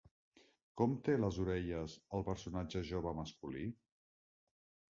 Com té les orelles el personatge jove masculí?